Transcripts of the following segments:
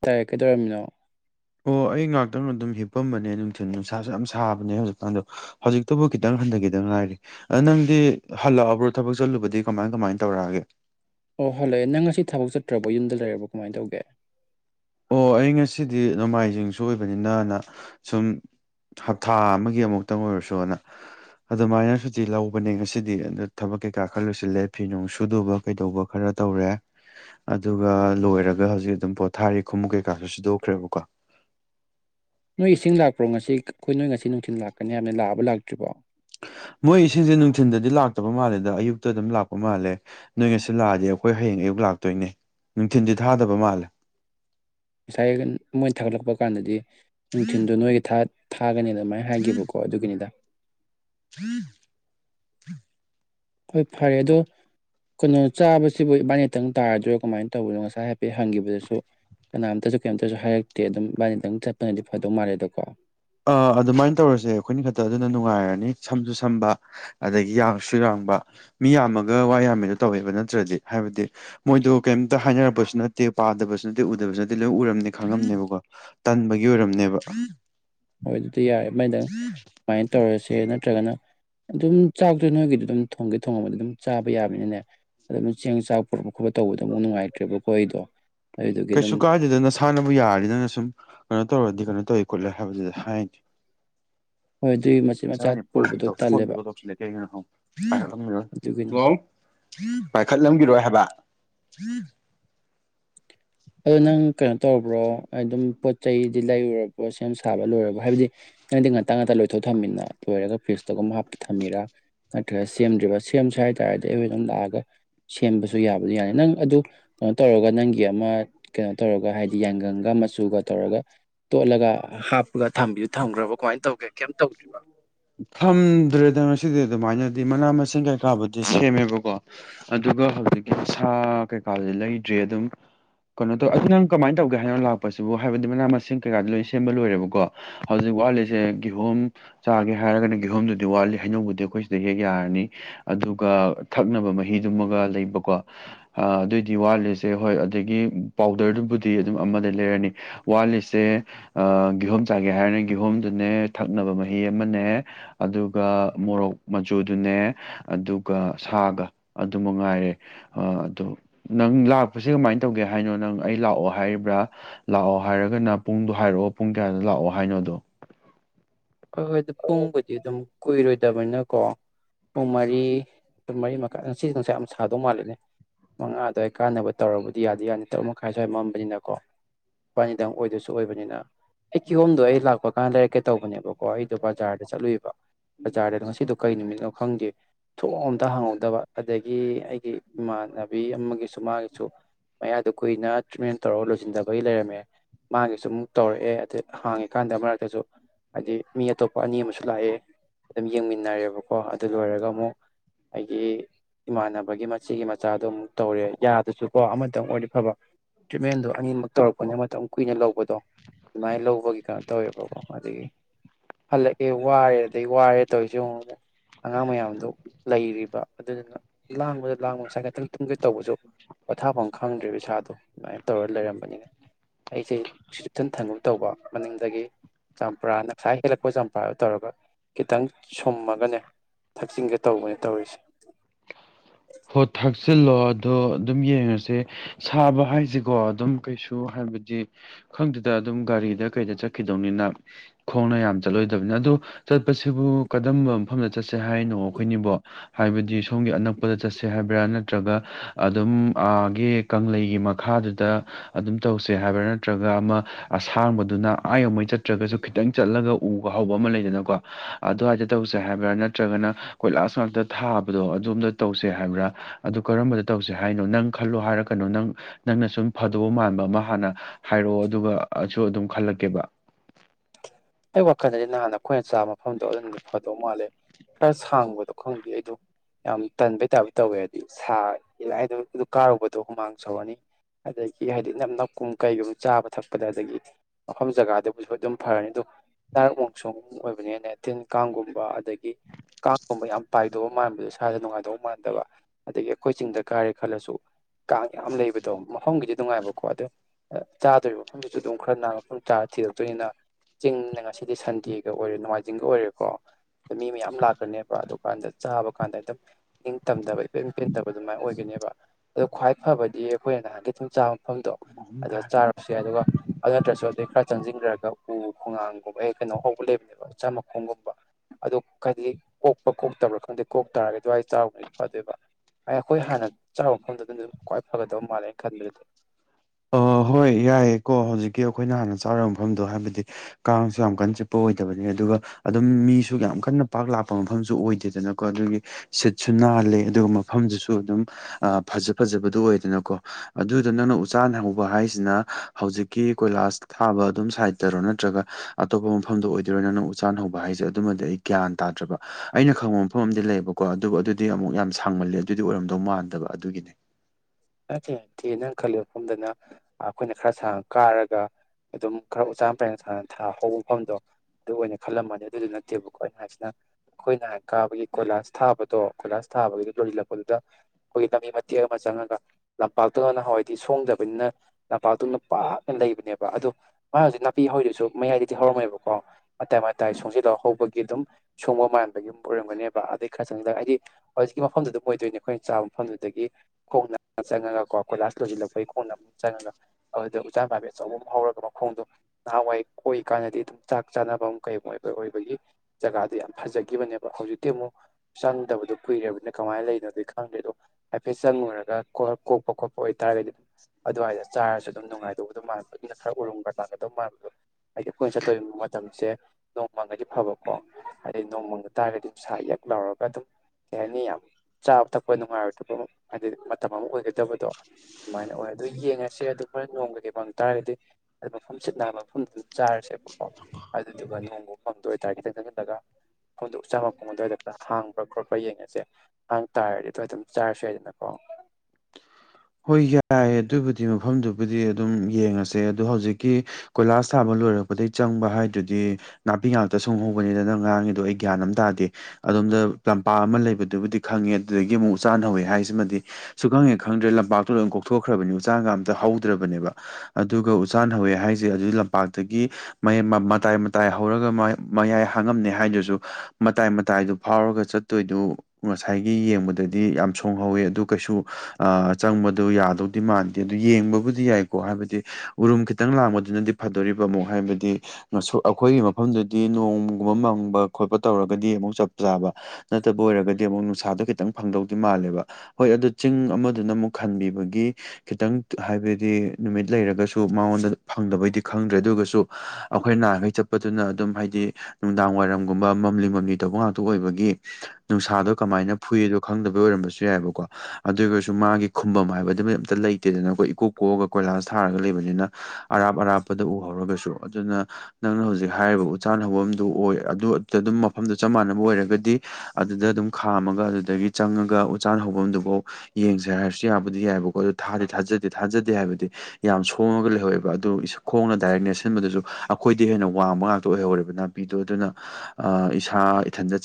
ꯇꯥꯏꯔꯦ ꯀꯩꯗꯧꯔꯝꯃꯤꯅꯣ ꯑꯣ ꯑꯩ ꯉꯥꯛꯇꯪ ꯑꯗꯨꯝ ꯍꯤꯞꯄꯝꯕꯅꯦ ꯅꯨꯡꯊꯤꯟꯜ ꯅꯨꯡꯁꯥꯁꯨ ꯌꯥꯝ ꯁꯥꯕꯅꯦ ꯍꯧꯖꯤꯛꯀꯥꯟꯗꯣ ꯍꯧꯖꯤꯛꯇꯨꯕꯨ ꯈꯤꯇꯪ ꯍꯟꯊꯈꯤꯗ ꯍꯥꯏꯔꯤ ꯑꯗ ꯅꯪꯗꯤ ꯍꯜꯂꯛꯑꯕ꯭ꯔꯣ ꯊꯕꯛ ꯆꯠꯂꯨꯕꯗꯤ ꯀꯃꯥꯏ ꯀꯃꯥꯏꯅ ꯇꯧꯔꯛꯑꯒꯦ ꯑꯣ ꯍꯣꯏꯂꯛꯑꯦ ꯅꯪ ꯉꯁꯤ ꯊꯕꯛ ꯆꯠꯇ꯭ꯔꯕꯣ ꯌꯨꯝꯗ ꯂꯩꯔꯕꯣ ꯀꯃꯥꯏꯅ ꯇꯧꯒꯦ ꯑꯣ ꯑꯩ ꯉꯁꯤꯗꯤ ꯅꯣꯡꯃꯥꯏꯖꯤꯡꯁꯨ ꯑꯣꯏꯕꯅꯤꯅꯅ ꯁꯨꯝ ꯍꯞꯇꯥ ꯑꯃꯒꯤ ꯑꯃꯨꯛꯇꯪ ꯑꯣꯏꯔꯁꯨ ꯑꯅ ꯑꯗꯨꯃꯥꯏꯅ ꯁꯨꯗꯤꯤ ꯂꯧꯕꯅꯦ ꯉꯁꯤꯗꯤ ꯑꯗꯨ ꯊꯕꯛ ꯀꯩꯀꯥ ꯈꯔ ꯂꯨꯁꯤꯜꯂꯦ ꯐꯤ ꯅꯨꯡ ꯁꯨꯗꯕ ꯀꯩꯗꯧꯕ ꯈꯔ ꯇꯔꯦ ꯑꯗꯨꯒ ꯂꯣꯏꯔꯒ ꯍꯧꯖꯤꯛ ꯑꯗꯨꯝ ꯄꯣꯥꯔꯤ ꯈꯨꯨꯝ ꯀꯩꯀꯥꯁꯨ ꯁꯤꯗꯣꯛꯈ꯭ꯔꯦꯕꯀꯣ ꯅꯣꯏ ꯏꯁꯤꯡ ꯂꯥꯛꯄ꯭ꯔꯣ ꯉꯁꯤ ꯑꯩꯈꯣꯏ ꯅꯣꯏ ꯉꯁꯤ ꯅꯨꯡꯊꯤꯜ ꯂꯥꯛꯀꯅꯤ ꯍꯥꯏꯕꯅ ꯂꯥꯛꯑꯕ ꯂꯥꯛꯇ꯭ꯔꯤꯕꯣ ꯃꯣꯏ ꯏꯁꯤꯡꯁꯦ ꯅꯨꯡꯊꯤꯟꯗꯗꯤ ꯂꯥꯛꯇꯕ ꯃꯥꯜꯂꯦꯗ ꯑꯌꯨꯛꯇ ꯑꯗꯨꯝ ꯂꯥꯛꯄ ꯃꯥꯜꯂꯦ ꯅꯣꯏ ꯉꯁꯤ ꯂꯥꯛꯑꯗꯤ ꯑꯩꯈꯣꯏ ꯍꯌꯦꯡ ꯑꯨ ꯂꯥꯛꯇꯣꯏꯅꯦ ꯅꯨꯡꯊꯤꯟꯗꯤ ꯊꯥꯗꯕ ꯃꯥꯜꯂꯦ ꯉꯁꯥꯏ ꯃꯣꯏ ꯊꯥꯒꯠꯂꯛꯄ ꯀꯥꯟꯗꯗꯤ ꯅꯨꯡꯊꯤꯟꯗꯣ ꯅꯣꯏꯒꯤ ꯊꯥ ꯊꯥꯒꯅꯤ ꯑꯗꯨꯃꯥꯏꯅ ꯍꯥꯏꯈꯤꯕꯕꯀꯣ ꯑꯗꯨꯒꯤꯅꯤꯗ ꯎꯝ ꯍꯣꯏ ꯐꯔꯦ ꯑꯗꯣ ꯀꯩꯅꯣ ꯆꯥꯕꯁꯤꯕꯨ ꯏꯕꯥꯅꯤꯇꯪ ꯇꯥꯔꯗꯣꯏꯔꯣ ꯀꯃꯥꯏꯅ ꯇꯧꯕꯅꯣ ꯉꯁꯥꯏ ꯍꯥꯏꯐꯦꯠ ꯍꯪꯈꯤꯕꯗꯁꯨ ꯀꯅꯥꯝꯇꯁꯨ ꯀꯩꯝꯇꯁꯨ ꯍꯥꯏꯔꯛꯇꯦ ꯑꯗꯨꯝ ꯕꯥꯥꯏꯅꯤꯇꯪ ꯆꯠꯄꯅꯗꯤ ꯐꯗꯧ ꯃꯥꯜꯂꯦꯗꯣ ꯀꯣ ꯑ ꯑꯗꯨꯃꯥꯏꯅ ꯇꯧꯔꯁꯦ ꯑꯩꯈꯣꯏꯅ ꯈꯛꯇ ꯑꯗꯨꯅ ꯅꯨꯡꯉꯥꯏꯔꯅꯤ ꯁꯝꯁꯨ ꯁꯝꯕ ꯑꯗꯒꯤ ꯌꯥꯝꯡꯁꯨ ꯌꯥꯝ ꯃꯤ ꯌꯥꯝꯃꯒ ꯋꯥ ꯌꯥꯝꯃꯤꯗꯣ ꯇꯧꯋꯦꯕ ꯅꯠꯇ꯭ꯔꯗꯤ ꯍꯥꯏꯕꯗꯤ ꯃꯣꯏꯗ ꯀꯩꯝꯇ ꯍꯥꯏꯅꯔꯛꯄꯁꯨ ꯅꯠꯇꯦ ꯄꯥꯗꯕꯁꯨ ꯅꯠꯇꯦ ꯎꯗꯕꯁꯨ ꯅꯠꯇꯦ ꯂꯣꯏ ꯎꯔꯝꯅꯦ ꯈꯪꯉꯝꯅꯦꯕꯀꯣ ꯇꯟꯕꯒꯤ ꯑꯣꯏꯔꯝꯅꯦꯕ ꯍꯣꯏ ꯑꯗꯨꯗꯤ ꯌꯥꯔꯦ ꯃꯩꯗꯪ ꯁꯨꯃꯥꯏꯅ ꯇꯧꯔꯁꯦ ꯅꯠꯇ꯭ꯔꯒꯅ ꯑꯗꯨꯝ ꯆꯥꯛꯇꯣ ꯅꯣꯏꯒꯤꯗꯤ ꯑꯗꯨꯝ ꯊꯣꯡꯒꯦ ꯊꯣꯡꯉꯝꯕꯗꯤ ꯑꯗꯨꯝ ꯆꯥꯕ ꯌꯥꯕꯅꯤꯅꯦ ꯑꯗꯨꯝ ꯆꯦꯡ ꯆꯥꯛ ꯄꯨꯔꯛꯄ ꯈꯣꯠꯄ ꯇꯧꯕꯗ ꯑꯃꯨꯛ ꯅꯨꯡꯉꯥꯏꯇ꯭ꯔꯦꯕꯀꯣ ꯑꯩꯗꯣ ꯑꯗꯨꯗꯨꯒꯤ ꯑꯗꯨꯝ ꯀꯩꯁꯨ ꯀꯥꯏꯗꯦꯗ ꯅꯁꯥꯅꯕꯨ ꯌꯥꯔꯦꯗꯪꯅ ꯁꯨꯝ ꯀꯩꯅꯣ ꯇꯧꯔꯗꯤ ꯀꯩꯅꯣ ꯇꯧꯋ ꯀꯂ ꯍꯥꯏꯕꯁ ꯍꯥꯏꯥꯏ ꯍ ꯌꯥꯅꯤ ꯐꯣꯟ ꯐꯣꯟꯒ ꯇꯁꯤ ꯀꯩꯅꯣ ꯑꯗꯨꯒꯤꯅꯤ ꯄꯥꯏꯈꯠꯂꯝꯈꯤꯔꯣꯏ ꯍꯥꯏꯕ ꯑꯗ ꯅꯪ ꯀꯩꯅꯣ ꯇꯔꯕ꯭ꯔꯣ ꯑꯩ ꯑꯗꯨꯝ ꯄꯣꯠ ꯆꯩꯗꯤ ꯂꯩꯔꯨꯔꯕ꯭ꯔꯣ ꯁꯦꯝ ꯁꯥꯕ ꯂꯣꯏꯔꯕ ꯍꯥꯏꯕꯗꯤ ꯅꯪꯗꯤ ꯉꯟꯇ ꯉꯥꯛꯇ ꯂꯣꯏꯊꯣꯛ ꯊꯝꯃꯤꯅ ꯊꯣꯏꯔꯒ ꯐ꯭ꯔꯤꯖꯇꯒꯨꯝ ꯍꯥꯞꯄ ꯊꯝꯃꯤꯔꯥ ꯅꯠꯇ꯭ꯔꯒ ꯁꯦꯝꯗ꯭ꯔꯤꯕ ꯁꯦꯝꯁꯦ ꯍꯥꯏꯇꯥꯥꯔꯗꯤ ꯑꯩꯈꯣꯏ ꯑꯗꯨꯝ ꯂꯥꯛꯑꯒ ꯁꯦꯝꯕꯁꯨ ꯌꯥꯕꯗꯤ ꯌꯥꯅꯤ ꯅꯪ ꯑꯗꯨ ꯀꯩꯅꯣ ꯇꯧꯔꯒ ꯅꯪꯒꯤ ꯑꯃ ꯀꯩꯅꯣ ꯇꯧꯔꯒ ꯍꯥꯏꯗꯤ ꯌꯥꯏꯉꯪꯒ ꯃꯆꯨꯒ ꯇꯧꯔꯒ ꯇꯣꯠꯂꯒ ꯍꯥꯞꯄꯒ ꯊꯝꯕꯤꯗꯨ ꯊꯝꯈ꯭ꯔꯕ ꯀꯃꯥꯏꯅ ꯇꯧꯒꯦ ꯀꯩꯝ ꯇꯧꯗ꯭ꯔꯤꯕ ꯊꯝꯗ꯭ꯔꯦꯗ ꯁꯤꯗꯤ ꯑꯗꯨꯃꯥꯏꯅꯗꯤ ꯃꯅꯥ ꯃꯁꯤꯡ ꯀꯩꯀꯥꯕꯨꯗꯤ ꯁꯦꯝꯃꯦꯕꯀꯣ ꯑꯗꯨꯒ ꯍꯧꯖꯤꯛꯀꯤ ꯁꯥ ꯀꯩ ꯀ ꯀ ꯂꯩꯗ꯭ꯔꯦ ꯑꯗꯨꯝ ꯀꯩꯅꯣ ꯇꯧ ꯑꯗꯨ ꯅꯪ ꯀꯃꯥꯏꯅ ꯇꯧꯒꯦ ꯍꯥꯏꯅꯣ ꯂꯥꯛꯄꯁꯤꯕꯨ ꯍꯥꯏꯕꯗꯤ ꯃꯅꯥ ꯃꯁꯤꯡ ꯀꯌꯥꯥꯗ ꯂꯣꯏ ꯁꯦꯝꯕ ꯂꯣꯏꯔꯦꯕꯀꯣ ꯍꯧꯖꯤꯛ ꯋꯥꯠꯂꯤꯁꯦ ꯤꯍꯣꯝ ꯆꯥꯒꯦ ꯍꯥꯏꯔꯒꯅ ꯤꯍꯣꯝꯗꯨꯗꯤ ꯋꯥꯠꯂꯤ ꯍꯩꯅꯧꯕꯗꯤ ꯑꯩꯈꯣꯏ ꯁꯤꯗ ꯍꯦꯛ ꯌꯥꯔꯅꯤ ꯑꯗꯨꯒ ꯊꯛꯅꯕ ꯃꯍꯤꯗꯨꯃꯒ ꯂꯩꯕꯀꯣ ꯑꯗꯨꯑꯣꯏꯗꯤ ꯋꯥꯠꯂꯤꯁ ꯍ ꯄꯗ ꯆꯥꯒꯦ ꯍꯥꯏꯔꯅ ꯀꯤꯍꯣꯝꯗꯨꯅꯦ ꯊꯛꯅꯕ ꯃꯍꯤ ꯑꯃꯅꯦ ꯑꯗꯨꯒ ꯃꯣꯔꯣꯛ ꯃꯆꯨꯗꯨꯅꯦ ꯑꯗꯨꯒ ꯁꯥꯒ ꯑꯗꯨ ꯃꯉꯥꯏꯔꯦ ꯑ ꯅꯪ ꯂꯥꯛ ꯍꯧ ꯀꯃꯥꯏꯅ ꯇꯧꯒꯦ ꯍꯥꯏꯅꯣ ꯅꯪ ꯑꯩ ꯂꯥꯛꯑꯣ ꯍꯥꯏꯔꯤꯕ꯭ꯔꯥ ꯂꯥꯛꯑꯣ ꯍꯥꯏꯔꯒꯅ ꯄꯨꯡꯗꯣ ꯍꯥꯏꯔꯛꯑꯣ ꯄꯨꯡ ꯀꯌꯥꯗꯣ ꯂꯥꯛꯑꯣ ꯂꯥꯛꯑꯣ ꯍꯥꯏꯅꯣꯗꯣ ꯍꯣꯏ ꯍꯣꯏ ꯑꯗꯨ ꯄꯨꯡꯕꯨꯗꯤ ꯑꯗꯨꯝ ꯀꯨꯏꯔꯣꯏꯗꯕꯅꯤꯅꯀꯣ ꯄꯨꯡ ꯃꯔꯤ ꯄꯨꯟ ꯃꯔꯤ ꯃꯈꯥ ꯉꯁꯤ ꯉꯁꯥꯏ ꯌꯥꯝ ꯁꯥꯗꯧ ꯃꯥꯜꯂꯤꯦꯅꯦ ꯃꯉꯥꯗꯋꯥ ꯑꯩ ꯀꯥꯟꯅꯕ ꯇꯧꯔꯕꯗꯤ ꯌꯥꯗ ꯌꯥꯅꯤ ꯇꯔꯨꯛ ꯃꯈꯥꯏ ꯁ꯭ꯋꯥꯏ ꯃꯝꯕꯅꯤꯅꯀꯣ ꯋꯥꯅꯤꯗꯪ ꯑꯣꯏꯗꯁꯨ ꯑꯣꯏꯕꯅꯤꯅ ꯑꯩ ꯀꯤꯍꯣꯝꯗꯣ ꯑꯩ ꯂꯥꯛꯄ ꯀꯥꯟꯗ ꯂꯩꯔꯛ ꯀꯩ ꯇꯧꯕꯅꯦꯕꯀꯣ ꯑꯩꯗꯣ ꯕꯖꯥꯔꯗ ꯆꯠꯂꯨꯏꯕ ꯕꯖꯥꯔꯗ ꯉꯁꯤꯗꯣ ꯀꯩ ꯅꯨꯃꯤꯠꯅꯣ ꯈꯪꯗꯦ ꯊꯣꯛꯂ ꯑꯝꯇ ꯍꯪꯍꯧꯗꯕ ꯑꯗꯒꯤ ꯑꯩꯒꯤ ꯏꯃꯥꯟꯅꯕꯤ ꯑꯃꯒꯤꯁꯨ ꯃꯥꯒꯤꯁꯨ ꯃꯌꯥꯗ ꯀꯨꯏꯅ ꯇ꯭ꯔꯤꯠꯃꯦꯟ ꯇꯧꯔꯒ ꯂꯣꯏꯁꯤꯟꯗꯕꯒꯤ ꯂꯩꯔꯝꯃꯦ ꯃꯥꯒꯤꯁꯨ ꯑꯃꯨꯛ ꯇꯧꯔꯛꯑꯦ ꯑꯗꯨ ꯍꯥꯡꯉꯤꯀꯥꯟꯗ ꯃꯔꯛꯇꯁꯨ ꯍꯥꯏꯗꯤ ꯃꯤ ꯑꯇꯣꯞꯄ ꯑꯅꯤ ꯑꯃꯁꯨ ꯂꯥꯛꯑꯦ ꯑꯗꯨꯝ ꯌꯦꯡꯃꯤꯟꯅꯔꯦꯕꯀꯣ ꯑꯗꯨ ꯂꯣꯏꯔꯒ ꯑꯃꯨꯛ ꯑꯩꯗꯒꯤ ꯏꯃꯥꯟꯅꯕꯒꯤ ꯃꯆꯤꯒꯤ ꯃꯆꯥꯗꯣ ꯑꯃꯨꯛ ꯇꯧꯔꯦ ꯌꯥꯗꯁꯨ ꯀꯣ ꯑꯃꯇꯪ ꯑꯣꯏꯗꯤ ꯐꯕ ꯇ꯭ꯔꯤꯠꯃꯦꯟꯗꯨꯣ ꯑꯅꯤꯃꯛ ꯇꯧꯔꯛꯄꯅꯦ ꯃꯇꯝ ꯀꯨꯏꯅ ꯂꯧꯕꯗꯣ ꯑꯗꯨꯃꯥꯏꯅ ꯂꯧꯕꯒꯤ ꯀꯩꯅꯣ ꯇꯧꯋꯦꯕꯀꯣ ꯑꯗꯒꯤ ꯍꯜꯂꯛꯑꯦ ꯋꯥꯔꯦ ꯑꯗꯩ ꯋꯥꯔꯦ ꯇꯧꯔꯤꯁꯤꯉ ꯑꯉꯥꯡ ꯃꯌꯥꯝꯗꯣ ꯂꯩꯔꯤꯕ ꯑꯗꯨꯗꯨꯅ ꯂꯥꯡꯕꯗ ꯂꯥꯡꯕ ꯉꯁꯥꯏ ꯈꯤꯇꯪ ꯇꯨꯝꯒꯦ ꯇꯧꯕꯁꯨ ꯄꯣꯊꯥꯐꯝ ꯈꯪꯗ꯭ꯔꯔꯤꯕꯕ ꯁꯥꯥꯗꯣ ꯑꯗꯨꯃꯥꯏꯅ ꯇꯧꯔ ꯂꯩꯔꯝꯕꯅꯤꯅ ꯑꯩꯁꯦ ꯆꯆꯦꯛꯁꯤꯟ ꯊꯪꯒꯨ ꯇꯧꯕ ꯃꯅꯤꯡꯗꯒꯤ ꯆꯝꯄꯨꯔꯥꯅ ꯉꯁꯥꯏ ꯍꯦꯜꯂꯛꯄ ꯆꯝꯄ꯭ꯔ ꯇꯧꯔꯒ ꯈꯤꯇꯪ ꯁꯨꯝꯃꯒꯅꯦ ꯊꯛꯆꯤꯡꯒ ꯇꯧꯕꯅꯦ ꯇꯧꯔꯤꯁꯦ ꯍꯣꯏ ꯊꯥꯛꯆꯤꯜꯂꯣ ꯑꯗꯣ ꯑꯗꯨꯝ ꯌꯦꯡꯉꯁꯦ ꯁꯥꯕ ꯍꯥꯏꯁꯤꯀꯣ ꯑꯗꯨꯝ ꯀꯩꯁꯨ ꯍꯥꯏ ꯍꯥꯏꯕꯗꯤ ꯈꯪꯗꯗ ꯑꯗꯨꯝ ꯒꯥꯔꯤꯗ ꯀꯩꯗ ꯆꯠꯈꯤꯗꯧꯅꯤꯅ ꯈꯣꯡꯅ ꯌꯥꯝ ꯆꯠꯂꯣꯏꯗꯕꯅꯤꯅ ꯑꯗꯣ ꯆꯠꯄꯁꯤꯕꯨ ꯀꯔꯝꯕ ꯃꯐꯝꯗ ꯆꯠꯁꯦ ꯍꯥꯏꯔꯤꯅꯣ ꯑꯩꯈꯣꯏꯅꯤꯕꯣ ꯍꯥꯏꯕꯗꯤ ꯁꯣꯝꯒꯤ ꯑꯅꯛ ꯑꯗ ꯆꯠꯁꯦ ꯍꯥꯏꯕ꯭ꯔꯥ ꯅꯠꯇ꯭ꯔꯒ ꯑꯗꯨꯝ ꯑꯥꯒꯤ ꯀꯪꯂꯩꯒꯤ ꯃꯈꯥꯗꯨꯗ ꯑꯗꯨꯝ ꯇꯧꯁꯦ ꯍꯥꯏꯕ꯭ꯔꯥ ꯅꯠꯇ꯭ꯔꯒ ꯑꯃ ꯑꯁꯥꯡꯕꯗꯨꯅ ꯑꯥꯏꯉꯩ ꯆꯠꯇ꯭ꯔꯒꯁꯨ ꯈꯤꯇꯪ ꯆꯠꯂꯒ ꯎꯒ ꯍꯥꯎꯕ ꯑꯃ ꯂꯩꯗꯅꯀꯣ ꯑꯗꯨꯋꯥꯏꯗ ꯇꯧꯁꯦ ꯍꯥꯏꯕ꯭ꯔꯥ ꯅꯠꯇ꯭ꯔꯒꯅ ꯑꯩꯈꯣꯏ ꯂꯥꯁ ꯉꯥꯛꯇ ꯊꯥꯕꯗꯣ ꯑꯗꯣꯝꯗ ꯇꯧꯁꯦ ꯍꯥꯏꯕ꯭ꯔꯥ ꯑꯗꯨ ꯀꯝꯕ ꯇꯧꯁꯦ ꯍꯥꯏꯅꯣ ꯅꯪ ꯈꯜꯂꯣ ꯍꯥꯏꯔꯛꯀꯅꯣ ꯅꯪ ꯅꯪꯅ ꯁꯨꯝ ꯐꯗꯧꯕꯥꯟꯕ ꯑꯃ ꯍꯥꯟꯅ ꯍꯥꯏꯔꯛꯑꯣ ꯑꯗꯨꯒ ꯑꯗꯨꯝ ꯈꯜꯂꯛꯀꯦꯕ ꯑꯩ ꯋꯥꯈꯜꯗꯗꯤ ꯅꯍꯥꯟ ꯑꯩꯈꯣꯏꯅ ꯆꯥꯕ ꯃꯐꯝꯗꯣ ꯑꯗꯨꯅꯗꯤ ꯐꯗꯧ ꯃꯥꯜꯂꯦ ꯈꯔ ꯁꯥꯡꯕꯗꯣ ꯈꯪꯗꯦ ꯑꯩꯗꯣ ꯌꯥꯝ ꯇꯟꯕꯩ ꯇꯥꯕꯩ ꯇꯧꯋꯦ ꯍꯥꯏꯗꯤ ꯁꯥꯗ ꯑꯗꯨ ꯀꯥꯔꯨꯕꯗꯣ ꯍꯨꯃꯥꯡ ꯁꯧꯔꯅꯤ ꯑꯗꯒꯤ ꯍꯥꯏꯗꯤ ꯅꯝꯅꯛꯀꯨꯝ ꯀꯩꯒꯨꯝ ꯆꯥꯕ ꯊꯛꯄꯗ ꯑꯗꯒꯤ ꯃꯐꯝ ꯖꯒꯥꯗꯨꯕꯨꯁꯨ ꯑꯗꯨꯝ ꯐꯔꯅꯤ ꯑꯗꯨ ꯇꯔꯛ ꯃꯁꯣꯡ ꯑꯣꯏꯕꯅꯤꯅꯦ ꯇꯤꯟ ꯀꯥꯡꯒꯨꯝꯕ ꯑꯗꯒꯤ ꯀꯥꯡꯒꯨꯝꯕ ꯌꯥꯝ ꯄꯥꯏꯗꯧꯕ ꯃꯥꯟꯕꯗꯣ ꯏꯁꯥꯗ ꯅꯨꯡꯉꯥꯏꯗꯧꯕ ꯃꯥꯟꯗꯕ ꯑꯗꯒꯤ ꯑꯩꯈꯣꯏ ꯆꯤꯡꯗ ꯀꯥꯏꯔꯦ ꯈꯜꯂꯁꯨ ꯀꯥꯡ ꯌꯥꯝ ꯂꯩꯕꯗꯣ ꯃꯐꯝꯒꯤꯗꯤ ꯅꯨꯡꯉꯥꯏꯕꯀꯣ ꯑꯗꯨ ꯆꯥꯗꯣꯔꯤꯕ ꯃꯐꯝꯁꯤꯁꯨ ꯑꯗꯨꯝ ꯈꯔ ꯅꯥ ꯃꯐꯝ ꯆꯥ ꯊꯤꯗꯛꯇꯣꯏꯅꯤꯅ ꯆꯤꯡꯅ ꯉꯁꯤꯗꯤ ꯁꯟꯗꯦꯒ ꯑꯣꯏꯔꯦ ꯅꯣꯡꯃꯥꯏꯖꯤꯡꯒ ꯑꯣꯏꯔꯦꯀꯣ ꯃꯤ ꯃꯌꯥꯝ ꯂꯥꯛꯀꯅꯦꯕ ꯑꯗꯨꯀꯥꯟꯗ ꯆꯥꯕ ꯀꯥꯟꯗ ꯑꯗꯨꯝ ꯏꯇꯝꯗꯕ ꯏꯄꯦꯟ ꯏꯄꯦꯟꯗꯕ ꯑꯗꯨꯃꯥꯏꯅ ꯑꯣꯏꯒꯅꯤ ꯑꯣ ꯈ꯭ꯋꯥꯏ ꯐꯕꯗꯤ ꯑꯩꯈꯣꯏꯅ ꯅꯍꯥꯟꯒꯤ ꯊꯣꯡ ꯆꯥ ꯃꯐꯝꯗꯣ ꯑꯗꯨꯗ ꯆꯥꯔꯨꯁꯨ ꯌꯥꯏ ꯑꯗꯨꯒ ꯑꯗꯨ ꯅꯠꯇ꯭ꯔꯁꯨ ꯑꯗꯨꯩ ꯈꯔ ꯆꯪꯁꯤꯟꯈ꯭ꯔꯒ ꯎ ꯈꯣꯡꯉꯥꯡꯒꯨꯝꯕ ꯑꯩ ꯀꯩꯅꯣ ꯍꯧꯕ ꯂꯩꯕꯅꯦꯕ ꯆꯥ ꯃꯈꯣꯡꯒꯨꯝꯕ ꯑꯗꯨ ꯍꯥꯏꯗꯤ ꯀꯣꯛꯄ ꯀꯣꯛꯇꯕ꯭ꯔꯥ ꯈꯪꯗꯦ ꯀꯣꯛ ꯇꯥꯔꯒꯗꯤ ꯑꯗꯨꯋꯥꯏ ꯆꯥꯎꯔꯅꯤꯗꯤ ꯐꯗꯣꯏꯕ ꯑꯩꯈꯣꯏ ꯍꯥꯟꯅ ꯆꯥꯕ ꯃꯐꯝꯗꯨꯗꯝ ꯈ꯭ꯋꯥꯏ ꯐꯒꯗꯧ ꯃꯥꯜꯂꯦꯅ ꯈꯟꯕꯗꯨꯗꯤ ꯑ ꯍꯣꯏ ꯌꯥꯏꯌꯦꯀꯣ ꯍꯧꯖꯤꯛꯀꯤ ꯑꯩꯈꯣꯏꯅ ꯍꯥꯟꯅ ꯆꯥꯔꯤꯕ ꯃꯐꯝꯗꯣ ꯍꯥꯏꯕꯗꯤ ꯀꯥꯡꯁꯨ ꯌꯥꯝ ꯀꯟꯅ ꯆꯤꯛꯄꯣꯛ ꯑꯣꯏꯗꯕꯅꯤ ꯑꯗꯨꯒ ꯑꯗꯨꯝ ꯃꯤꯁꯨ ꯌꯥꯝ ꯀꯟꯅ ꯄꯥꯛ ꯂꯥꯛꯄ ꯃꯐꯝꯁꯨ ꯑꯣꯏꯗꯦꯗꯅꯀꯣ ꯑꯗꯨꯒꯤ ꯁꯤꯠꯁꯨ ꯅꯥꯍꯜꯂꯦ ꯑꯗꯨꯒ ꯃꯐꯝꯗꯨꯁꯨ ꯑꯗꯨꯝ ꯐꯖ ꯐꯖꯕꯗꯨ ꯑꯣꯏꯗꯅꯀꯣ ꯑꯗꯨꯗ ꯅꯪꯅ ꯆꯥ ꯍꯧꯕ ꯍꯥꯏꯁꯤꯅ ꯍꯧꯖꯤꯛ ꯀꯣꯏꯥꯁ ꯊꯥ ꯁꯥꯏꯔꯣ ꯅꯠꯇ꯭ꯔꯒ ꯑꯇꯣꯞꯄ ꯃꯐꯝ ꯃꯐꯝꯗꯣ ꯑꯣꯏꯗꯣꯏꯔꯣ ꯅꯪ ꯎꯆ ꯆꯥꯟ ꯍꯧꯕ ꯍꯥꯏꯁꯦ ꯑꯗꯨꯃꯗꯤ ꯑꯩ ꯒ꯭ꯌꯥꯟ ꯇꯥꯗ꯭ꯔꯕ ꯑꯩꯅ ꯈꯪꯕ ꯃꯐꯝ ꯑꯃꯗꯤ ꯂꯩꯌꯦꯕꯀꯣ ꯑꯗꯨꯕꯨ ꯑꯗꯨꯗꯤ ꯑꯃꯨꯛ ꯌꯥꯝꯅ ꯁꯥꯡꯃꯜꯂꯦ ꯑꯗꯨꯗꯤ ꯑꯣꯏꯔꯝꯗꯧ ꯃꯥꯟꯗꯕ ꯑꯗꯨꯒꯤꯅꯦ ꯌꯥꯇꯦ ꯌꯥꯇꯦ ꯅꯪ ꯈꯜꯂꯤ ꯃꯐꯝꯗꯅ ꯑꯩꯈꯣꯏꯅ ꯈꯔ ꯁꯥꯡ ꯀꯥꯔꯒ ꯑꯗꯨꯝ ꯈꯔ ꯎꯥꯟ ꯄꯅ ꯊꯥ ꯍꯧꯕ ꯃꯐꯝꯗꯣ ꯑꯗꯨ ꯑꯣꯏꯅ ꯈꯜꯂꯝꯃꯅꯤ ꯑꯗꯨꯗꯨ ꯅꯠꯇꯦꯕꯀꯣꯩꯅ ꯍꯥꯏꯁꯤꯅ ꯑꯩꯈꯣꯏꯅꯍ ꯀꯥꯕꯒꯤ ꯀꯣꯏꯂꯥꯁ ꯊꯥꯕꯗꯣ ꯀꯣꯏꯂꯥꯁ ꯊꯥꯕꯒꯤꯗ ꯂꯣꯁꯤꯜꯂꯛꯄꯗꯨꯗ ꯑꯩꯈꯣꯏꯒꯤ ꯂꯝꯕꯤ ꯃꯇꯦꯛ ꯑꯃ ꯆꯪꯉꯒ ꯂꯝꯄꯥꯛꯇꯅꯅ ꯍꯋꯥꯏꯗꯤ ꯁꯣꯡꯗꯕꯅꯤꯅ ꯂꯝꯄꯥꯛꯇꯨꯅ ꯄꯥꯛꯅ ꯂꯩꯕꯅꯦꯕ ꯑꯗꯣ ꯃꯥ ꯍꯧꯖꯤꯛ ꯅꯥꯄꯤ ꯍꯧꯗꯨꯁꯨ ꯃꯌꯥꯏꯗꯗꯤ ꯍꯧꯔꯝꯃꯦꯕꯀꯣ ꯃꯇꯥꯏ ꯃꯇꯥꯏ ꯁꯣꯡꯁꯤ ꯇꯧ ꯍꯧꯕꯒꯤ ꯑꯗꯨꯝ ꯁꯣꯡꯕ ꯃꯥꯟꯕꯒꯤ ꯑꯗꯨꯝ ꯑꯣꯏꯔꯝꯒꯅꯦꯕ ꯑꯗꯨꯗꯩ ꯈꯔ ꯆꯪꯁꯤꯗ ꯍꯥꯏꯗꯤ ꯍꯧꯖꯤꯛ ꯃꯐꯝꯗꯨꯗꯝ ꯑꯣꯏꯗꯣꯏꯅꯤ ꯑꯩꯈꯣꯏꯅ ꯆꯥꯕ ꯃꯐꯝꯗꯨꯗꯒꯤꯣꯡ ꯆꯪꯉꯒ ꯀꯣ ꯀꯣꯏꯂꯥꯁ ꯂꯣꯏꯁꯤꯜꯂꯛꯄꯒꯤ ꯈꯣꯡꯗ ꯑꯃꯨꯛ ꯆꯪꯉꯒ ꯑꯗꯨꯗ ꯎꯖꯥꯟ ꯄꯥꯏꯕꯤ ꯑꯆꯧꯕ ꯑꯃ ꯍꯧꯔꯒ ꯃꯈꯣꯡꯗꯣ ꯅꯍꯥꯟꯋꯥꯏ ꯀꯣꯏ ꯀꯥꯟꯗꯗꯤ ꯑꯗꯨꯝ ꯆꯥꯛ ꯆꯥꯅꯕ ꯑꯃ ꯀꯩꯒꯨꯝꯕ ꯑꯣꯏꯕꯒꯤ ꯖꯒꯥꯗꯨꯣ ꯌꯥꯝ ꯐꯖꯈꯤꯕꯅꯦꯕ ꯑꯗ ꯍꯧꯖꯤꯛꯇꯤ ꯑꯃꯨꯛ ꯆꯪꯗꯕꯗꯣ ꯀꯨꯏꯅꯤꯅ ꯀꯃꯥꯏꯅ ꯂꯩꯅꯣꯗ ꯈꯪꯗꯦ ꯑꯗꯣ ꯍꯥꯏꯐꯦꯠ ꯆꯪꯉꯨꯔꯒ ꯀꯣꯛꯄ ꯈꯣꯠꯄ ꯑꯣꯏꯇꯥꯔꯒꯗꯤ ꯑꯗꯨꯝ ꯑꯗꯨꯋꯥꯏꯗ ꯆꯥꯔꯁꯨ ꯑꯗꯨꯝ ꯅꯨꯡꯉꯥꯏꯗꯧꯕꯗꯣ ꯃꯥꯟꯕ ꯑꯩꯅ ꯈꯔ ꯎꯔꯨꯝꯕ ꯂꯥꯛꯀꯗꯧ ꯃꯥꯟꯕꯗꯣ ꯍꯥꯏꯗꯤ ꯑꯩꯈꯣꯏꯅ ꯆꯠꯇꯣ ꯃꯇꯝꯁꯦ ꯅꯣꯡꯃꯪꯒꯗꯤ ꯐꯕꯀꯣ ꯑꯗꯩ ꯅꯣꯡꯃꯪꯒ ꯇꯥꯔꯒꯗꯤ ꯅꯨꯡꯁꯥ ꯌꯦꯛ ꯂꯧꯔꯒ ꯑꯗꯨꯝ ꯀꯩ ꯍꯥꯏꯅꯤ ꯌꯥꯝ ꯆꯥꯕ ꯊꯛꯄ ꯅꯨꯡꯉꯥꯏꯔꯗ ꯍꯥꯏꯗꯤ ꯃꯇꯝ ꯑꯃ ꯑꯣꯏꯒꯗꯕꯗꯣ ꯑꯗꯨꯃꯥꯏꯅ ꯑꯣꯏ ꯑꯗꯨ ꯌꯦꯡꯉꯁꯤꯦ ꯑꯗꯨ ꯈꯔ ꯅꯣꯡꯃꯒꯒꯤ ꯐꯪ ꯇꯥꯔꯒꯗꯤ ꯑꯗꯨ ꯃꯐꯝ ꯁꯤꯠ ꯅꯥꯕ ꯃꯐꯝꯗ ꯑꯗꯨꯝ ꯆꯥꯔꯁꯤꯦ ꯣ ꯑꯗꯨꯗꯨꯒ ꯅꯣꯡꯒ ꯐꯪꯗꯣꯏ ꯑꯣꯏꯇꯥꯔ ꯈꯤꯇꯪ ꯆꯪꯁꯤꯜꯂꯒ ꯐꯣꯡꯗꯣꯛ ꯆꯥꯝꯃꯄꯣꯡ ꯑꯗꯨꯏꯗ ꯈꯔ ꯍꯥꯡꯕ ꯈ꯭ꯔꯣꯠꯄ ꯌꯦꯡꯉꯁꯦ ꯍꯥꯡ ꯇꯥꯔꯗꯤ ꯑꯗꯨ ꯑꯗꯨꯝ ꯆꯥꯔꯁꯨ ꯌꯥꯗꯅꯀꯣ ꯍꯣꯏ ꯌꯥꯏ ꯑꯗꯨꯕꯨꯗꯤ ꯃꯐꯝꯗꯨꯕꯨꯗꯤ ꯑꯗꯨꯝ ꯌꯦꯡꯉꯁꯦ ꯑꯗ ꯍꯧꯖꯤꯛꯀꯤ ꯀꯣꯏꯂꯥꯁ ꯊꯥꯕ ꯂꯣꯏꯔꯛꯄꯗꯩ ꯆꯪꯕ ꯍꯥꯏꯗꯨꯗꯤ ꯅꯥꯄꯤ ꯉꯥꯛꯇ ꯁꯨꯡꯍꯧꯕꯅꯤꯗꯅꯪ ꯉꯔꯥꯡꯉꯤꯗꯣ ꯑꯩ ꯒ꯭ꯌꯥꯟ ꯑꯃ ꯇꯥꯗꯦ ꯑꯗ ꯑꯣꯝꯗ ꯂꯝꯄꯥꯛ ꯑꯃ ꯂꯩꯕꯗꯨꯕꯨꯗꯤ ꯈꯪꯉꯦ ꯑꯗꯨꯗꯒꯤ ꯑꯃꯨꯛ ꯎ ꯆꯥꯅ ꯍꯧꯧꯋꯦ ꯍꯥꯏꯁꯤꯃꯗꯤ ꯁꯨ ꯈꯪꯉꯦ ꯈꯪꯗ꯭ꯔꯦ ꯂꯝꯄꯥꯛꯇꯨ ꯂꯣꯏꯅ ꯀꯣꯛꯊꯣꯛꯈ꯭ꯔꯕꯅꯤ ꯎꯆꯥꯟꯒ ꯑꯝꯇ ꯍꯧꯗ꯭ꯔꯕꯅꯦꯕ ꯑꯗꯨꯒ ꯎꯆꯥꯟ ꯍꯧꯋꯦ ꯍꯥꯏꯁꯦ ꯑꯗꯨꯒꯤ ꯂꯝꯄꯥꯛꯇ ꯃꯇꯥꯏ ꯃꯇꯥꯏ ꯍꯧꯔꯒ ꯃꯌꯥꯏ ꯍꯥꯡꯉꯝꯅꯦ ꯍꯥꯏꯗꯨꯁꯨ ꯃꯇꯥꯏ ꯃꯇꯥꯏꯗꯨ ꯐ ꯐꯥꯎꯔꯒ ꯆꯠꯇꯣꯏꯗꯨ ꯉꯁꯥꯏꯒꯤ ꯌꯦꯡꯕꯗꯗꯤ ꯌꯥꯝ ꯁꯣꯡꯍꯧꯋꯦ ꯑꯗꯨ ꯀꯩꯁꯨ ꯆꯪꯕꯗꯨ ꯌꯥꯗꯧꯗꯤ ꯃꯥꯟꯗꯦ ꯑꯗꯨ ꯌꯦꯡꯕꯕꯨꯗꯤ ꯌꯥꯏꯀꯣ ꯍꯥꯏꯕꯗꯤ ꯎꯔꯨꯝ ꯈꯤꯇꯪ ꯂꯥꯡꯕꯗꯨꯅꯗꯤ ꯐꯗꯣꯔꯤꯕ ꯑꯃꯨꯛ ꯍꯥꯏꯕꯗꯤ ꯑꯩꯈꯣꯏꯒꯤ ꯃꯐꯝꯗꯗꯤ ꯅꯣꯡꯒꯨꯝꯕ ꯃꯪꯕ ꯈꯣꯠꯄ ꯇꯧꯔꯒꯗꯤ ꯑꯃꯨꯛ ꯥꯕ ꯅꯠꯇꯕ ꯑꯣꯏꯔꯒꯗꯤ ꯑꯃꯨ ꯅꯨꯡꯁꯥꯗꯣ ꯈꯤꯇꯪ ꯐꯪꯗꯧꯗꯤ ꯃꯥꯜꯂꯦꯕ ꯍꯣꯏ ꯑꯗꯨ ꯆꯤꯡ ꯑꯃꯗꯨꯅ ꯑꯃꯨꯛ ꯈꯟꯕꯤꯕꯒꯤ ꯈꯤꯇꯪ ꯍꯥꯏꯕꯗꯤ ꯅꯨꯃꯤꯠ ꯂꯩꯔꯒꯁꯨ ꯃꯉꯣꯟꯗ ꯐꯪꯗꯕꯩꯗꯤ ꯈꯪꯗ꯭ꯔꯦ ꯑꯗꯨ ꯑꯗꯨꯒꯁꯨ ꯑꯩꯈꯣꯏ ꯅꯥꯈꯩ ꯆꯠꯄꯗꯨꯅ ꯑꯗꯨꯝ ꯍꯥꯏꯗꯤ ꯅꯨꯡꯗꯥꯡ ꯋꯥꯏꯔꯝꯒꯨꯝꯕ ꯃꯝꯂꯤ ꯃꯝꯂꯤ ꯇꯧꯕ ꯉꯥꯛꯇꯣꯛ ꯑꯣꯏ ꯅꯨꯡꯁ ꯀꯃꯥꯏ ꯐꯣ ꯈꯪꯕ ꯑꯣꯏꯔ ꯌꯥꯏꯕꯀꯣ ꯑꯗꯨ ꯑꯣꯏꯁꯨ ꯈꯨꯝꯕꯝ ꯍꯥꯏꯕꯗꯨꯃ ꯑꯝꯇ ꯂꯩꯇꯦꯗꯅ ꯑꯩꯈꯣꯏ ꯏꯀꯣ ꯀꯣꯛꯑꯒ ꯀꯣꯏꯂꯥꯁ ꯊꯥꯔꯒ ꯂꯩꯕꯅꯤꯅ ꯑꯔꯥꯞ ꯑꯔꯥꯞꯄꯗ ꯎꯍꯧꯔꯒꯁꯨ ꯑꯗꯨꯅ ꯅꯪꯅ ꯍꯧꯖꯤꯛ ꯍꯥꯏꯔꯤꯕ ꯎꯆꯁꯥꯟ ꯍꯧꯕꯗꯨ ꯑꯣꯏ ꯑꯗꯨ ꯑꯗꯨꯝ ꯃꯐꯝꯗꯨ ꯆꯞ ꯃꯥꯟꯅꯕ ꯑꯣꯏꯔꯒꯗꯤ ꯑꯗꯨꯗ ꯑꯗꯨꯝ ꯈꯥꯝꯃꯒ ꯑꯗꯨꯗꯒꯤ ꯆꯪꯉꯒ ꯎ ꯆꯥꯟ ꯊꯐꯝꯗꯨꯐꯥꯎ ꯌꯦꯡꯁꯦ ꯍꯥꯏꯔ ꯌꯥꯕꯗꯤ ꯌꯥꯏꯑꯕꯀꯣ ꯊ ꯊꯥꯖꯗꯦ ꯊꯥꯖꯗꯦ ꯍꯥꯏꯕꯗꯤ ꯌꯥꯝ ꯁꯣꯉꯒ ꯂꯩꯍꯧꯋꯦꯕ ꯑꯗꯨ ꯈꯣꯡꯅ ꯗꯥꯏꯔ ꯑꯩ ꯑꯣꯏ ꯅꯥꯄꯤ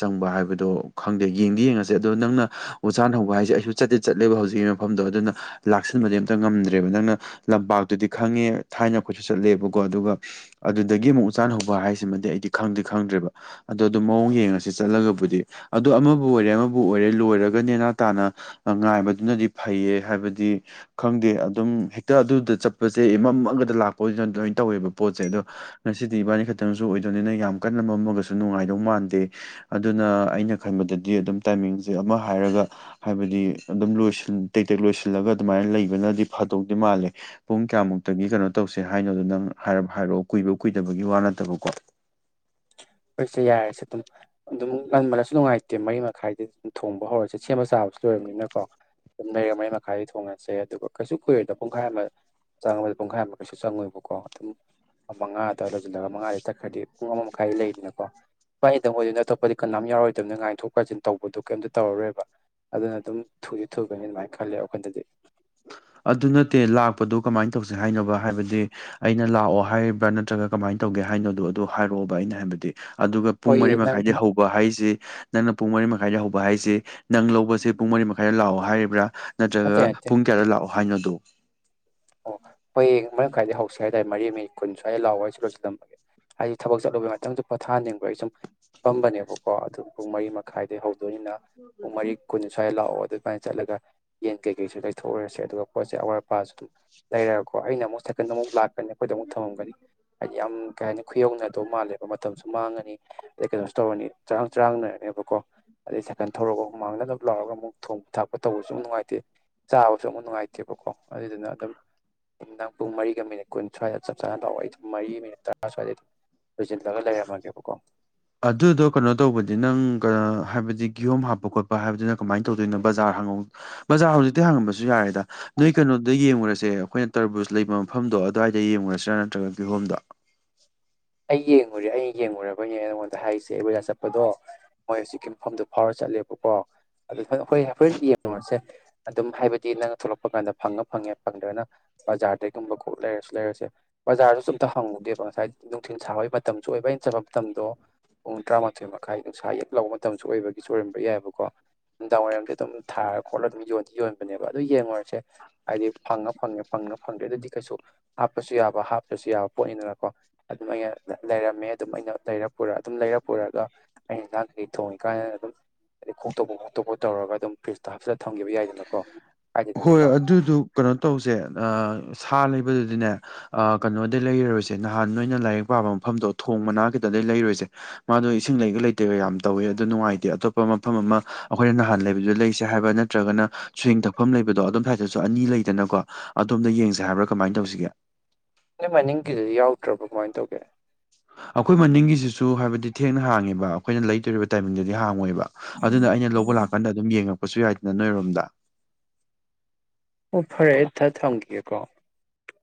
ꯆꯪꯕ ꯍꯥꯏꯕꯗꯣ ꯈꯪꯗꯦ ꯌꯦꯡꯗꯤ ꯌꯦꯡꯉꯁꯦ ꯑꯗꯣ ꯅꯪꯅ ꯎꯖꯥꯟ ꯍꯧꯕ ꯍꯥꯏꯁꯦ ꯑꯩꯁꯨ ꯆꯠꯇꯦ ꯆꯠꯂꯦꯕ ꯍꯧꯖꯤꯛ ꯃꯐꯝꯗꯣ ꯑꯗꯨꯅ ꯂꯥꯛꯁꯤꯟꯕꯗꯤ ꯑꯝꯇ ꯉꯝꯗ꯭ꯔꯦꯕ ꯅꯪꯅ ꯂꯝꯄꯥꯛꯇꯨꯗꯤ ꯈꯪꯉꯦ ꯊꯥꯏꯅ ꯑꯩꯈꯣꯏꯁꯨ ꯆꯠꯂꯦꯕꯀ ꯑꯗꯨ ꯆ ꯍꯧꯕ ꯍꯥꯏꯃꯗꯤ ꯑꯩꯗꯤ ꯈꯪꯗꯦ ꯈꯪꯗ꯭ꯔꯦꯕ ꯑꯗꯣ ꯑꯗꯨ ꯃꯑꯣꯡ ꯌꯦꯡꯉ ꯆꯠꯂꯒꯕꯨꯗꯤ ꯑꯗꯨꯗꯣ ꯑꯃꯕꯨ ꯑꯣꯏꯔꯦ ꯑꯃꯕꯨ ꯑꯣꯏꯔꯦ ꯂꯣꯏꯔꯒ ꯅꯦꯅꯥ ꯇꯥꯅ ꯉꯥꯏꯕꯗꯨꯅꯗꯤ ꯐꯩꯌꯦ ꯍꯥꯏꯕꯗꯤ ꯈꯪꯗꯦ ꯑꯗꯨꯝ ꯍꯦꯛꯇ ꯑꯗꯨꯗ ꯆꯠꯄꯁꯦ ꯃꯝꯃꯒꯗ ꯂꯥꯛꯄꯁꯤꯅ ꯑꯗꯨꯃ ꯇꯧꯋꯦꯕ ꯄꯣꯠꯁꯦ ꯑꯗꯣ ꯉꯁꯤꯗꯤ ꯏꯕꯥꯅꯤ ꯈꯛꯇꯪ ꯑꯃꯁꯁꯨ ꯑꯣꯏꯗꯣꯏꯅꯤꯅ ꯌꯥꯝ ꯀꯟꯅꯕꯝꯃꯒꯁꯨ ꯅꯨꯡꯉꯥꯏꯗꯧ ꯃꯥꯟꯗꯦ ꯑꯗꯨꯅ ꯑꯩꯅ ꯈꯟꯕꯗꯗꯤ ꯑꯗꯨꯝ ꯇꯥꯏꯃꯤꯡꯁꯦ ꯑꯃ ꯍꯥꯏꯔꯒ ꯍꯥꯏꯕꯗꯤ ꯑꯗꯨꯝ ꯂꯣꯏꯁꯤꯟ ꯇꯦꯛ ꯇꯦꯛ ꯂꯣꯏꯁꯤꯜꯂꯒ ꯑꯗꯨꯃꯥꯏꯅ ꯂꯩꯕꯅꯗꯤ ꯐꯥꯗꯧꯗꯦ ꯃꯥꯜꯂꯦ ꯄꯨꯡ ꯀꯌꯥꯃꯨꯛꯇꯒꯤ ꯀꯩꯅꯣ ꯇꯧꯁꯦ ꯍꯥꯏꯅꯣꯗꯣ ꯅꯪ ꯍꯥꯏꯔꯞ ꯍꯥꯏꯔꯛꯑꯣ ꯀꯨꯏꯕ ꯀꯨꯏꯗꯕꯒꯤ ꯋꯥ ꯅꯠꯇꯕꯀꯣ [inaudible] ꯑꯩꯁꯦ ꯌꯥꯔꯁꯦ ꯑꯗꯨꯝ ꯑꯗꯨꯝ ꯂꯟꯃꯜꯂꯁꯨ ꯅꯨꯡꯉꯥꯏꯇꯦ ꯃꯔꯤ ꯃꯈꯥꯏꯗ ꯑꯗꯨꯝ ꯊꯣꯡꯕ ꯍꯧꯔꯁꯦ ꯁꯦꯝꯕ ꯆꯥꯕꯁꯨ ꯑꯗꯨ ꯀꯨꯣꯏꯔꯕꯅꯤꯅꯀꯣ ꯑꯗꯨ ꯂꯩꯔ ꯃꯔꯤ ꯃꯈꯥꯏꯗ ꯊꯣꯡꯉꯁꯦ ꯑꯗꯨꯒ ꯀꯩꯁꯨ ꯀꯨꯏꯔꯣꯏꯗ ꯄꯨꯡꯈꯥꯏ ꯑꯃ ꯆꯪꯕꯗ ꯄꯨꯡꯈꯥꯏꯃꯨꯛꯩꯁꯨ ꯆꯪꯉꯣꯏꯕꯀꯣ ꯑꯗꯨꯝ ꯃꯉꯥꯗ ꯂꯣꯏꯁꯤꯜꯂꯒ ꯃꯉꯥꯥꯁ ꯆꯠꯈ꯭ꯔꯗꯤ ꯄꯨꯡ ꯑꯃꯃꯛ ꯀꯥꯏ ꯂꯩꯗꯅꯀꯣ ꯏꯥꯏ ꯏꯗꯪ ꯑꯣꯏꯗꯣꯏꯅ ꯑꯇꯣꯞꯄꯗꯤ ꯀꯅꯥꯝ ꯌꯥꯎꯔꯣꯏꯗꯕꯅ ꯉꯥꯟꯊꯣꯛ ꯀꯥꯏꯁꯤꯟ ꯇꯧꯕꯗꯣ ꯀꯩꯝꯇ ꯇꯧꯔꯔꯣꯏꯕ ꯑꯗꯨꯅ ꯑꯗꯨꯝ ꯊꯨꯗꯤ ꯊꯨꯒꯅꯤ ꯑꯗꯨꯃꯥꯏꯅ ꯈꯜꯂꯦ ꯑꯩꯈꯣꯏꯗꯗꯤ ꯑꯗꯨ ꯅꯠꯇꯦ ꯂꯥꯛꯄꯗꯨ ꯀꯃꯥꯏꯅ ꯇꯧꯁꯦ ꯍꯥꯏꯅꯕ ꯍꯥꯏꯕꯗꯤ ꯑꯩꯅ ꯂꯥꯛꯑꯣ ꯍꯥꯏꯔꯤꯕ꯭ꯔꯥ ꯅꯠꯇ꯭ꯔꯒ ꯀꯃꯥꯏꯅ ꯇꯧꯒꯦ ꯍꯥꯏꯅꯣꯗꯣ ꯑꯗꯨ ꯍꯥꯏꯔꯛꯑꯣꯕ ꯑꯩꯅ ꯍꯥꯏꯕꯗꯤ ꯑꯗꯨꯒ ꯄꯨꯡ ꯍꯣꯏꯌꯦ ꯃꯔꯤ ꯅꯪ ꯃꯈꯥꯏꯗꯤ ꯍꯧꯕ ꯍꯥꯏꯁꯤꯦ ꯅꯪꯅ ꯄꯨꯡ ꯃꯔꯤ ꯃꯈꯥꯏ ꯃꯈꯥꯏꯗ ꯍꯧꯕ ꯍꯥꯏꯁꯦ ꯅꯪ ꯂꯧꯕꯁꯦ ꯄꯨꯡ ꯃꯔꯤ ꯃꯈꯥꯏꯗ ꯂꯥꯛꯑꯣ ꯍꯥꯏꯔꯤꯕ꯭ꯔꯥ ꯅꯠꯇꯦ ꯅꯠꯇ꯭ꯔꯒ ꯅꯠꯇꯦ ꯄꯨꯡ ꯀꯌꯥꯗ ꯂꯥꯛꯑꯣ ꯁꯍꯥꯏꯅꯣꯗ ꯑꯣ ꯍꯌꯦꯡ ꯃꯔꯝ ꯀꯥꯏꯗꯒꯤꯩ ꯍꯧꯁꯤ ꯍꯥꯏꯇꯥꯔꯦ ꯃꯔꯤ ꯃꯤꯅꯤꯠ ꯀꯨꯟ ꯁ꯭ꯋꯥꯏ ꯂꯥꯎꯑꯣ ꯍꯥꯏ ꯑꯩꯁꯤ ꯂꯣꯏꯁꯤꯜꯂꯝꯕꯒꯦ ꯍꯥꯏꯗꯤ ꯊꯕꯛ ꯆꯠꯂꯨꯕꯩ ꯃꯇꯝꯗ ꯄꯣꯊꯥꯍꯟꯅꯤꯡꯕ ꯑꯩ ꯁꯨꯝ ꯄꯝꯕꯅꯦꯕꯀꯣ ꯑꯗꯨ ꯄꯨꯡ ꯃꯔꯤ ꯃꯈꯥꯏꯗꯒꯤꯩ ꯍꯧ ꯅ ꯄꯨꯡ ꯃꯔꯤ ꯀꯨꯟ ꯁꯨꯃꯥꯏꯅ ꯂꯥꯛꯑꯣ ꯑꯗꯨꯃꯥꯏꯅ ꯆꯠꯂꯒ ꯌꯦꯟ ꯀꯩꯀꯩꯁꯨ ꯀꯩꯊꯣꯛꯎꯔꯁꯦ ꯑꯗꯨꯒ ꯄꯣꯠꯁꯦ ꯑꯋꯥꯠ ꯑꯄꯥꯁꯨ ꯑꯗꯨꯝ ꯂꯩꯔꯒꯀꯣ ꯑꯩꯅ ꯑꯃꯨꯛ ꯁꯥꯏꯀꯟꯗ ꯑꯃꯨꯛ ꯂꯥꯛꯀꯅꯤ ꯑꯩꯈꯣꯏꯗ ꯑꯃꯨꯛ ꯊꯝꯃꯝꯒꯅꯤ ꯍꯥꯏꯗꯤ ꯌꯥꯝ ꯀꯩ ꯍꯥꯏꯅꯤ ꯈꯨꯌꯧꯅꯗꯧ ꯃꯥꯜꯂꯦꯕ ꯃꯇꯝꯁꯨ ꯃꯥꯡꯉꯅꯤ ꯑꯗꯩ ꯀꯩꯅꯣꯁꯨ ꯇꯧꯔꯅꯤ ꯆꯔꯥꯡ ꯆꯔꯥꯡꯅꯔꯅꯦꯕꯀꯣ ꯑꯗꯩ ꯁꯥꯏꯀꯟ ꯊꯧꯔꯒ ꯑꯃꯨ ꯃꯥꯡꯅꯗꯅꯕ ꯂꯥꯎꯔꯒ ꯑꯃꯨꯛ ꯊꯣꯡꯕ ꯊꯥꯛꯄ ꯇꯧꯕꯁꯨ ꯅꯨꯡꯉꯥꯏꯇꯦ ꯆꯥꯕꯁꯨ ꯑꯃꯨꯛ ꯅꯨꯡꯉꯥꯏꯇꯦꯕꯀꯣ ꯑꯗꯨꯗꯨꯅ ꯑꯗꯨꯝ ꯊꯪ ꯄꯨꯡ ꯃꯔꯤꯒ ꯃꯤꯅꯤꯠ ꯀꯨꯟ ꯁ꯭ꯋꯥꯏꯗ ꯆꯞ ꯆꯥꯅ ꯇꯥꯛꯑꯣ ꯑꯩ ꯑꯗꯨꯝ ꯃꯔꯤ ꯃꯤꯅꯤꯠ ꯇꯔꯥ ꯁ꯭ꯋꯥꯏꯗꯩ ꯑꯗꯨꯝ ꯂꯣꯏꯁꯤꯜꯂꯒ ꯂꯩꯔꯝꯃꯒꯦꯕꯀꯣ ꯑꯗꯨꯗꯣ ꯀꯩꯅꯣ ꯇꯧꯕꯗꯤ ꯅꯪ ꯍꯥꯏꯕꯗꯤ ꯀꯤꯍꯣꯝ ꯍꯥꯞꯄ ꯈꯣꯠꯄ ꯍꯥꯏꯕꯗꯨꯅ ꯀꯃꯥꯏꯅ ꯇꯧꯗꯣꯏꯅꯣ ꯕꯖꯥꯔ ꯕꯔ ꯍꯧꯖꯤꯛꯇꯤ ꯍꯉꯁꯨ ꯌꯥꯔꯦꯗ ꯅꯣꯏ ꯀꯩꯅꯣꯗ ꯌꯦꯡꯉꯨꯔꯁꯦ ꯑꯩꯈꯣꯏꯅ ꯇꯔꯕꯨꯖ ꯂꯩꯕ ꯃꯐꯝꯗ ꯑꯣ ꯑꯗꯨꯋꯥꯏꯗ ꯌꯦꯡꯉꯨꯁꯤꯔꯥ ꯅꯠꯇ꯭ꯔꯒ ꯑꯗꯨ ꯍꯣꯝꯗ [unintelligible] ꯑꯩ ꯌꯦꯡꯉꯨꯔꯦ ꯑꯩ ꯌꯦꯡꯉꯨꯔꯕꯅꯦ ꯅꯉꯣꯟꯗ ꯍꯥꯏꯔꯤꯁꯦ ꯑꯩ ꯕꯖꯥ ꯆꯠꯄꯗꯣ ꯃꯣꯏ ꯍꯧꯖꯤꯛꯀꯤ ꯃꯐꯝꯗ ꯐꯥꯎꯔ ꯆꯠꯂꯦ ꯦ ꯀꯣ ꯑꯗꯨ ꯍꯈꯣꯏ ꯍꯣꯔꯦꯟ ꯌꯦꯡꯉꯨꯔꯁꯦ ꯑꯗꯨꯝ ꯍꯥꯏꯕꯗꯤ ꯅꯪꯅ ꯊꯣꯛꯂꯛꯄ ꯀꯥꯟꯗ ꯐꯪꯉ ꯐꯪꯉꯦ ꯐꯪꯗ꯭ꯔꯅ ꯕꯖꯥꯔꯗꯩꯒꯨꯝꯕ ꯀꯣꯛ ꯂꯩꯔꯁꯨ ꯂꯩꯔꯁ ꯕꯖꯥꯔꯁꯨ ꯑꯝꯇ ꯍꯪꯉꯨꯒꯦꯕ ꯉꯁꯥꯏ ꯅꯨꯡꯊꯤꯜ ꯁꯥꯕꯒꯤ ꯃꯇꯝꯁꯨ ꯑꯣꯏꯕ ꯍꯩꯅ ꯆꯠꯕ ꯃꯇꯝꯗꯣ ꯄꯨꯡ ꯇꯔꯥꯃꯥꯊꯣꯏ ꯃꯈꯥꯏ ꯅꯨꯡꯁꯥ ꯌꯦꯛ ꯂꯧꯕ ꯃꯇꯝꯁꯨ ꯑꯣꯏꯕꯒꯤ ꯆꯣꯏꯔꯝꯕ ꯌꯥꯏꯑꯕꯀꯣ ꯅꯨꯡꯗꯥꯡ ꯋꯥꯏꯔꯝꯗꯤ ꯑꯗꯨꯝ ꯊꯥꯔ ꯈꯣꯠꯂ ꯑꯗꯨꯝ ꯌꯣꯟꯗꯤ ꯌꯣꯟꯕꯅꯦꯕ ꯑꯗꯨ ꯌꯦꯡꯂꯡꯉꯨꯔꯁꯦ ꯍꯥꯏꯗꯤ ꯐꯪꯉ ꯐꯪꯉꯦ ꯐꯪꯉ ꯐꯪꯗ꯭ꯔꯦꯗꯗꯤ ꯀꯩꯁꯨ ꯍꯥꯞꯄꯁꯨ ꯌꯥꯕ ꯍꯥꯞꯇ꯭ꯔꯁꯨ ꯌꯥꯕ ꯄꯣꯠꯅꯤꯗꯅꯀꯣ ꯑꯗꯨꯝ ꯑꯩꯅ ꯂꯩꯔꯝꯃꯦ ꯑꯗꯨꯝ ꯑꯩꯅ ꯂꯩꯔ ꯄꯨꯔ ꯑꯗꯨꯝ ꯂꯩꯔ ꯄꯨꯔꯒ ꯑꯩꯅ ꯏꯟꯥꯡꯈꯩ ꯊꯣꯡꯉꯤ ꯀꯥꯟꯗ ꯑꯗꯨꯝ ꯑꯗꯩ ꯈꯣꯛꯇꯣꯛꯄ ꯈꯣꯇꯣꯛꯄ ꯇꯧꯔꯒ ꯑꯗꯨꯝ ꯐ꯭ꯔꯤꯖꯇ ꯍꯥꯆꯤꯜꯂ ꯊꯈꯤꯕ ꯌꯥꯏꯗꯅꯀꯣ ꯍꯣꯏ ꯀꯥꯏꯗꯦꯗꯅꯀꯣ ꯑꯗꯨꯗꯨ ꯀꯩꯅꯣ ꯇꯧꯁꯦ ꯊꯥ ꯂꯩꯕꯗꯨꯗꯤꯅꯦ ꯀꯩꯅꯣꯗꯩ ꯂꯩꯔꯔꯣꯏꯁꯦ ꯅꯍꯥꯟ ꯅꯣꯏꯅ ꯂꯥꯏꯔꯤꯛ ꯄꯥꯕ ꯃꯐꯝꯗꯣ ꯊꯣꯡ ꯃꯅꯥ ꯈꯤꯇꯗ ꯂꯩꯔꯣꯏꯁꯦ ꯃꯥꯗꯣ ꯏꯁꯤꯡ ꯂꯩꯒ ꯂꯩꯇꯦꯒ ꯌꯥꯝ ꯇꯧꯋꯦ ꯑꯗꯨ ꯅꯨꯡꯉꯥꯏꯇꯦ ꯑꯇꯣꯞꯄ ꯃꯐꯝ ꯑꯃ ꯑꯩꯈꯣꯏꯅ ꯅꯍꯥꯟ ꯂꯩꯕ ꯗ ꯂꯩꯁꯦ ꯍꯥꯏꯕ ꯅꯠꯇ꯭ꯔꯒꯅ ꯁ꯭ꯋꯤꯡ ꯇꯧ ꯃꯐꯝ ꯂꯩꯕꯗꯣ ꯑꯗꯣꯝ ꯁꯥꯏꯏꯗꯠꯇꯁꯨ ꯑꯅꯤ ꯂꯩꯗꯅꯀꯣ ꯑꯗꯣꯝꯗ ꯌꯦꯡꯁꯦ ꯍꯥꯏꯕ꯭ꯔꯥ ꯀꯃꯥꯏꯅ ꯇꯧꯁꯤꯒꯦ ꯅꯣꯏ ꯃꯅꯤꯡꯒꯤꯗꯨꯗꯤ ꯌꯥꯎꯗ꯭ꯔꯕ ꯀꯃꯥꯏꯅ ꯇꯧꯒꯦ ꯑꯩꯈꯣꯏ ꯃꯅꯤꯡꯒꯤꯁꯤꯁꯨ ꯍꯥꯏꯕꯗꯤ ꯊꯦꯡꯅ ꯍꯥꯡꯉꯦꯕ ꯑꯩꯈꯣꯏꯅ ꯂꯩꯇꯣꯔꯤꯕ ꯇꯥꯏꯃꯤꯡꯗꯗꯤ ꯍꯥꯡꯉꯣꯏꯕ ꯑꯗꯨꯅ ꯑꯩꯅ ꯂꯧꯕ ꯂꯥꯛꯀꯥꯟꯗ ꯑꯗꯨꯝ ꯌꯦꯡꯉꯛꯄꯁꯨ ꯌꯥꯏꯗꯅ ꯅꯣꯏꯔꯣꯝꯗ ꯑꯣ ꯐꯔꯦ ꯊ ꯊꯣꯡꯈꯤꯀꯣ